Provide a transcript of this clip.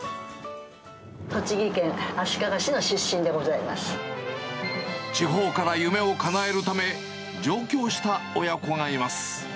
栃木県足利市の出身でござい地方から夢をかなえるため、上京した親子がいます。